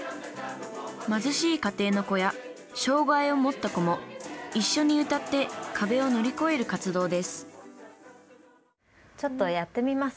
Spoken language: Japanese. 貧しい家庭の子や障害を持った子も一緒に歌って壁を乗り越える活動ですちょっとやってみます？